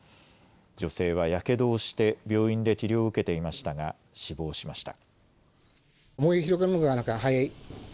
女性はやけどをして病院で治療を受けていましたが死亡しました。